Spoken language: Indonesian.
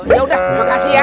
yaudah makasih ya